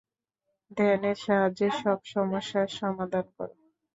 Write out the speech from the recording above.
ধ্যানের সাহায্যে সব সমস্যার সমাধান কর।